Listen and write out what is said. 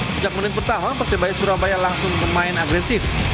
sejak menit pertama persebaya surabaya langsung bermain agresif